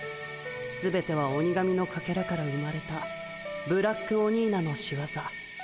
すべては鬼神のかけらから生まれたブラックオニーナのしわざ。